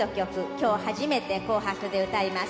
今日初めて「紅白」で歌います。